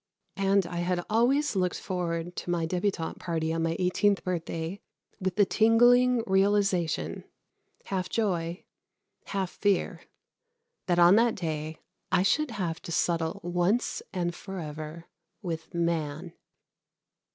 And I had always looked forward to my débutante party on my eighteenth birthday with the tingling realization, half joy, half fear, that on that day I should have to settle once and forever with man.